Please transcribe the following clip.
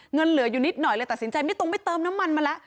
เหลืออยู่นิดหน่อยเลยตัดสินใจไม่ตรงไปเติมน้ำมันมาแล้ว